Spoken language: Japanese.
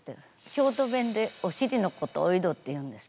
京都弁でお尻のことをおいどっていうんですけど。